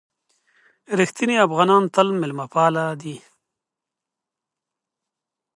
رښتیني افغانان تل مېلمه پالي دي.